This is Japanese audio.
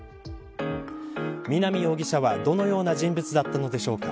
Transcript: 南容疑者はどのような人物だったのでしょうか。